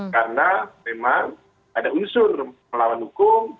karena memang ada unsur melawan hukum